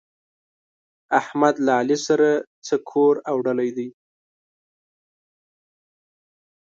احمد له علي سره څه کور اوډلی دی؟!